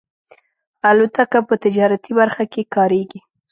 الوتکه په تجارتي برخه کې کارېږي.